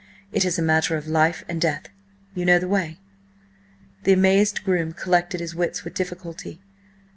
It is a matter of life and death. You know the way?" The amazed groom collected his wits with difficulty.